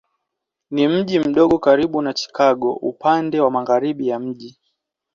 Ni mji mdogo karibu na Chicago upande wa magharibi ya mji.